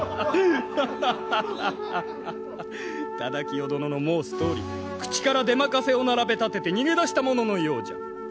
忠清殿の申すとおり口から出任せを並べ立てて逃げ出したもののようじゃ。